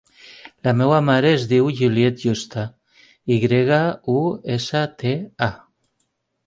La meva mare es diu Juliette Yusta: i grega, u, essa, te, a.